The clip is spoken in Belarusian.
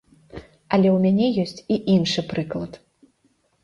Але ў мяне ёсць і іншы прыклад.